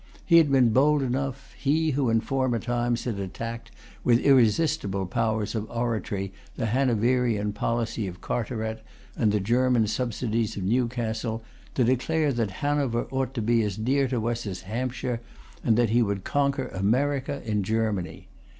He had been bold enough, he who in former times had attacked, with irresistible powers of oratory, the Hanoverian policy of Carteret, and the German subsidies of Newcastle, to declare that Hanover ought to be as dear to us as Hampshire, and that he would conquer America in Germany.